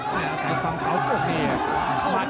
ไม่อาศัยความเผาโอ้โฮเนี่ย